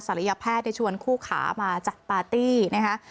ยแพทย์ได้ชวนคู่ขามาจัดปาร์ตี้นะคะ